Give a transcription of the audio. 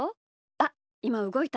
あっいまうごいた。